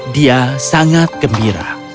dia sangat gembira